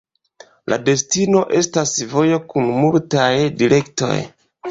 La destino estas vojo kun multaj direktoj.